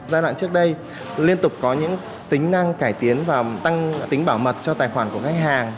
giai đoạn trước đây liên tục có những tính năng cải tiến và tăng tính bảo mật cho tài khoản của khách hàng